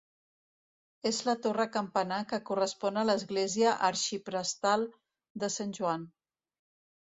És la torre campanar que correspon a l'església arxiprestal de Sant Joan.